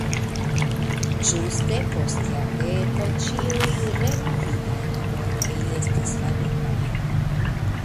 Ĝuste post jardeko ĉiuj renovigaj laboroj estis faritaj.